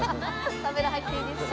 カメラ入っていいですか？